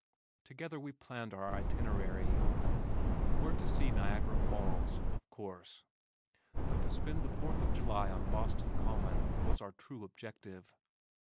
Together we planned our itinerary. We were to see Niagara Falls, of course, but to spend the fourth of July on Boston Common, was our true objective.